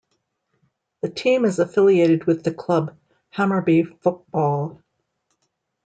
The team is affiliated with the club Hammarby Fotboll.